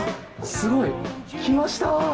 すごいきました！